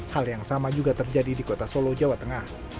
hal yang sama juga terjadi di kota solo jawa tengah